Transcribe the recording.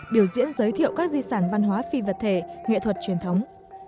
biểu diễn giới thiệu các di sản văn hóa phi vật thể nghệ thuật truyền thống